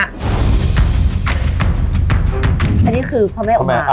อันนี้คือพระแม่อุมา